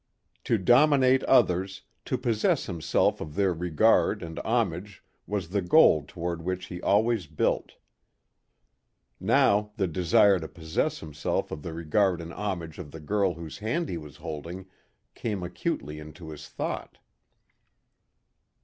To dominate others, to possess himself of their regard and homage was the goal toward which he always built. Now the desire to possess himself of the regard and homage of the girl whose hand he was holding came acutely into his thought.